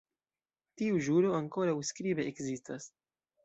Tiu ĵuro ankoraŭ skribe ekzistas.